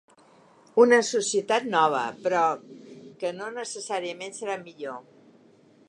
Una societat nova, però, que no necessàriament serà millor.